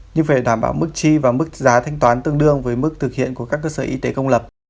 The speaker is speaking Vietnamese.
như phải đảm bảo mức chi và mức giá thanh toán tương đương với mức thực hiện của các cơ sở y tế công lập